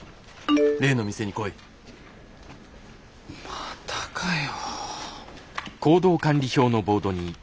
またかよ。